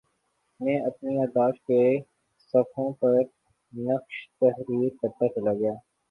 میں اپنی یادداشت کے صفحوں پر نقش تحریر کرتاچلا گیا